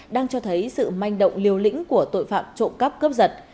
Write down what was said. đang cho thấy sự manh động liều lĩnh của tội phạm trộm cắp cướp giật